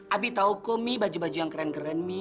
abi tau kok mi baju baju yang keren keren mi